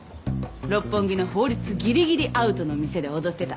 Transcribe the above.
六本木の法律ギリギリアウトの店で踊ってた。